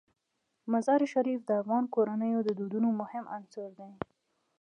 مزارشریف د افغان کورنیو د دودونو مهم عنصر دی.